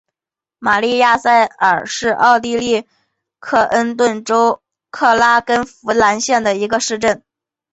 玛丽亚萨尔是奥地利克恩顿州克拉根福兰县的一个市镇。